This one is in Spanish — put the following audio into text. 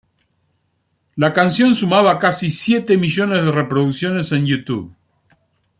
La canción sumaba casi siete millones de reproducciones en YouTube.